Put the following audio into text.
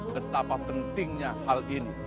betapa pentingnya hal ini